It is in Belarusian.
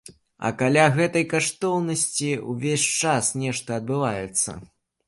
А каля гэтай каштоўнасці ўвесь час нешта адбываецца.